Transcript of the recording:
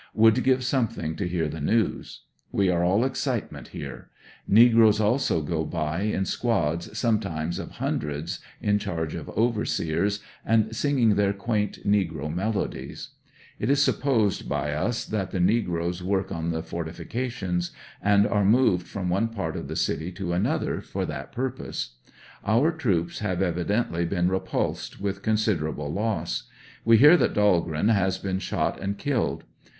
Would give something to hear the news. We are all excitement here. Negroes also go by in squads sometimes of hundreds in charge of overseers, and singing their quaint negro melodies. It is supposed by us that the negroes work on the fortifications, and are moved from one part of the city to another, for that purpose. Our troops have evidently been repulsed with considerable loss. We hear that Dahlgreen has been shot and killed.